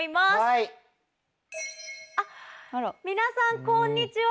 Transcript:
皆さんこんにちは。